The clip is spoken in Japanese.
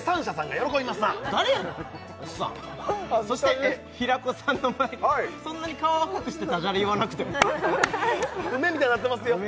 恥ずかしいそして平子さんの前そんなに顔赤くしてダジャレ言わなくても梅みたいになってますよ